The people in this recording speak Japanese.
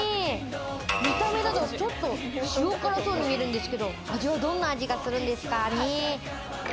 見た目だと、ちょっと塩辛そうに見えるんですけれども、味はどんな味がするんですかね。